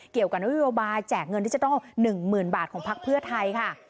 เกี่ยวกับวิบัติแจกเงินที่จะต้อง๑๐๐๐๐บาทของพักเพื่อไทยค่ะ